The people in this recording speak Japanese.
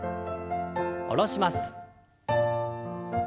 下ろします。